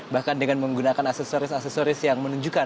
bahkan dengan menggunakan aksesoris aksesoris yang menunjukkan